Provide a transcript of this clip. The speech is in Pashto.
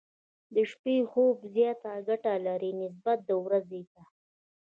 د شپې خوب زياته ګټه لري، نسبت د ورځې ته.